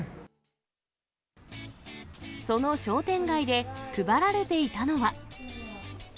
その商店街で配られていたのは。